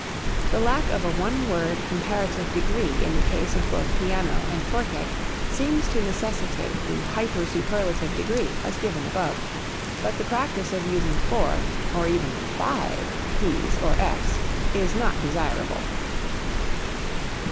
The lack of a one word comparative degree in the case of both piano and forte seems to necessitate the hyper superlative degree as given above, but the practice of using four, or even five p's or f's is not desirable.